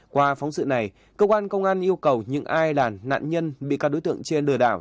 qua phóng sự này cơ quan công an yêu cầu những ai là nạn nhân bị các đối tượng trên lừa đảo